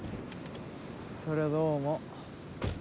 そりゃどうも。